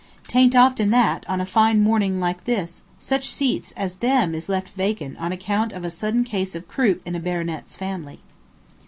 'Tain't often that, on a fine morning like this, such seats as them is left vacant on account of a sudden case of croup in a baronet's family."